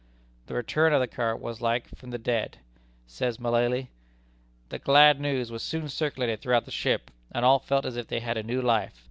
The return of the current was like life from the dead. Says Mullaly: "The glad news was soon circulated throughout the ship, and all felt as if they had a new life.